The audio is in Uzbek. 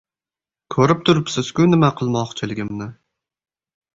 —Ko‘rib turibsiz-ku, nima qilmoqchiligimni!